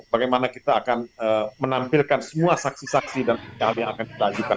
bagaimana kita akan menampilkan semua saksi saksi dan hal yang akan kita ajukan